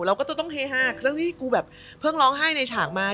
เราก็จะต้องเฮฮาคือกูแบบเพิ่งร้องไห้ในฉากมา